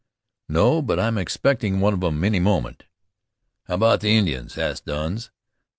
"No; but I'm expecting one of 'em any moment." "How about the Indians?" asked Douns.